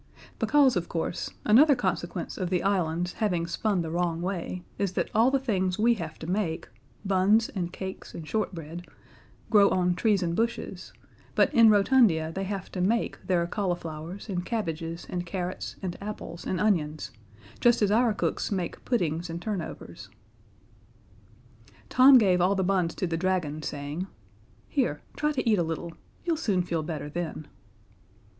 Because, of course, another consequence of the island's having spun the wrong way is that all the things we have to make buns and cakes and shortbread grow on trees and bushes, but in Rotundia they have to make their cauliflowers and cabbages and carrots and apples and onions, just as our cooks make puddings and turnovers. Tom gave all the buns to the dragon, saying: "Here, try to eat a little. You'll soon feel better then."